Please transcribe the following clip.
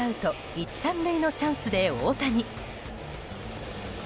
１、３塁のチャンスで、大谷。